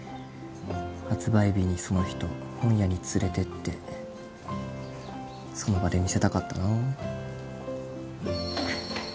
発売日にその人本屋に連れてってその場で見せたかったな